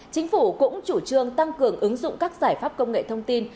chính phủ cũng chủ trương tăng cường ứng dụng các giải pháp công nghệ thông tin